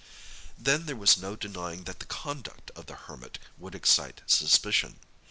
Then there was no denying that the conduct of the Hermit would excite suspicion.